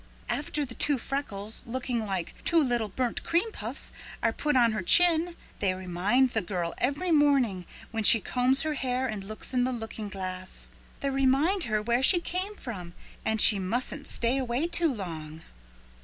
After the two freckles looking like two little burnt cream puffs are put on her chin, they remind the girl every morning when she combs her hair and looks in the looking glass. They remind her where she came from and she mustn't stay away too long."